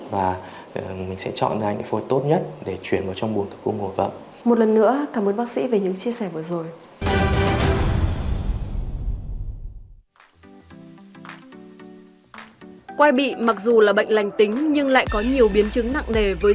và mình sẽ chọn ra những phôi tốt nhất để chuyển vào trong buồng thử cung của vợ